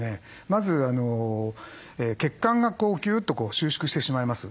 まず血管がこうギュッと収縮してしまいます。